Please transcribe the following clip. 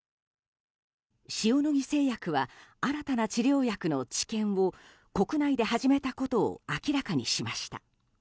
塩野義製薬は新たな治療薬の治験を国内で始めたことを明らかにしました。